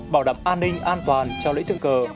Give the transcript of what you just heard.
bảo đảm an ninh an toàn cho lễ thượng cờ